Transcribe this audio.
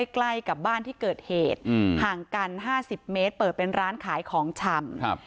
ใกล้กับบ้านที่เกิดเหตุห่างกัน๕๐เมตรเปิดเป็นร้านขายของชำ